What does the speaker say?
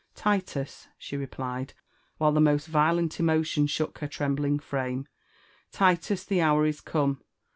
^ "Titus!*' she replied, while the most violent emotion shook her trembling frame, —'* Titus! the hour is come